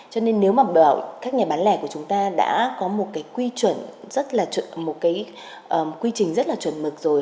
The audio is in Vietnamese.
cho nên nếu mà các nhà bán lẻ của chúng ta đã có một cái quy trình rất là chuẩn mực rồi